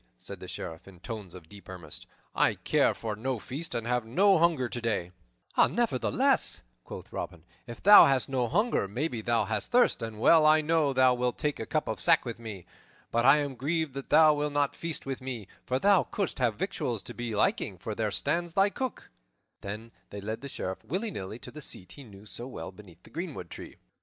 said the Sheriff in tones of deep earnest. "I care for no feast and have no hunger today." "Nevertheless," quoth Robin, "if thou hast no hunger, maybe thou hast thirst, and well I know thou wilt take a cup of sack with me. But I am grieved that thou wilt not feast with me, for thou couldst have victuals to thy liking, for there stands thy Cook." Then he led the Sheriff, willy nilly, to the seat he knew so well beneath the greenwood tree.